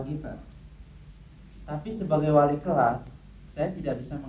kita cuma pisah rumah sayang